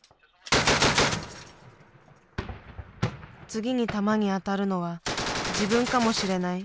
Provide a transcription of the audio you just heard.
次に弾に当たるのは自分かもしれない。